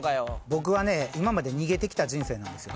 僕はね今まで逃げてきた人生なんですよ。